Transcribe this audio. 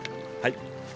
はい。